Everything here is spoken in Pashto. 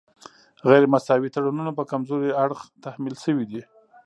غیر مساوي تړونونه په کمزوري اړخ تحمیل شوي دي